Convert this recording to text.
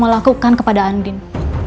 saya akan melakukan kepada andin